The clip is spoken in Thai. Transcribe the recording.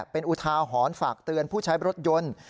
เป็นอุทาหรณ์ฝากเตือนผู้ใช้รถยนต์